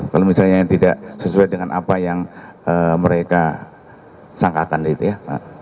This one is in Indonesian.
kalau misalnya tidak sesuai dengan apa yang mereka sangkakan itu ya